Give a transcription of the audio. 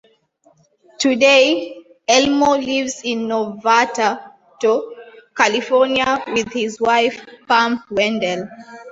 Today, Elmo lives in Novato, California with his wife, Pam Wendell.